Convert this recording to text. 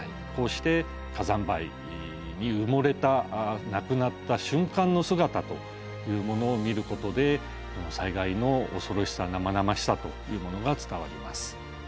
こうして火山灰に埋もれた亡くなった瞬間の姿というものを見ることで災害の恐ろしさ生々しさというものが伝わります。